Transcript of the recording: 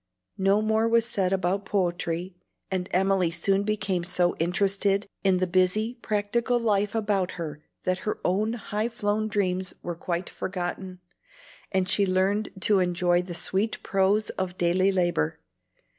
No more was said about poetry; and Emily soon became so interested in the busy, practical life about her that her own high flown dreams were quite forgotten, and she learned to enjoy the sweet prose of daily labor.